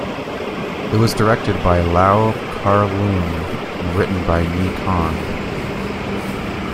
It was directed by Lau Kar-Leung and written by Ni Kuang.